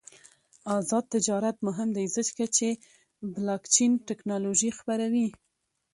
آزاد تجارت مهم دی ځکه چې بلاکچین تکنالوژي خپروي.